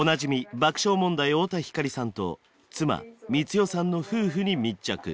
爆笑問題太田光さんと妻光代さんの夫婦に密着。